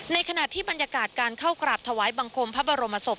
ในขณะที่บรรยากาศการเข้ากราบถวายบังคมพระบรมศพ